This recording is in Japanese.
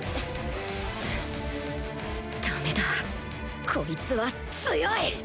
ダメだこいつは強い！